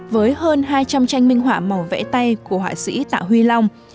với hơn hai trăm linh tranh minh họa màu vẽ tay của họa sĩ tạ huy long